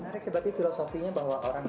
menarik sebetulnya filosofinya bahwa orang itu